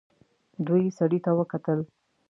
دوی سړي ته وکتل.